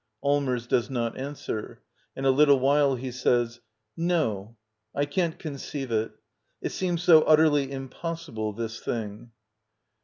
Allmers. [Does not answer. In a little while he says] No, I can't conceive it. It seems so ut terly impossible — this thing.